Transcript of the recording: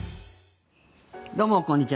どうもこんにちは。